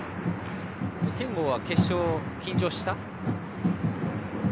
憲剛は決勝、緊張した？